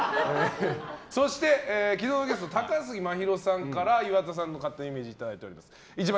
そして、昨日のゲスト高杉真宙さんから岩田さんの勝手なイメージいただいております。